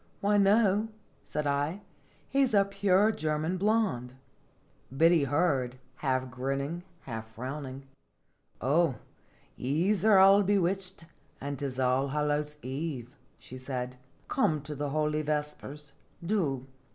"Why no," said I; "he is a pure German blonde." Biddy heard, half grinning, half frowning. " Oh, yees are all bewitched, an' 'tis Allhal JHotljs. 65 lows Eve," she said; " come to the holy vespers, do."